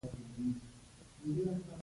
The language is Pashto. بیا یې بدرګه او یا یې تر اقبال هاسټل وسپارم.